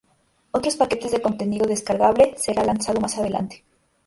Otros paquetes de contenido descargable será lanzado más adelante.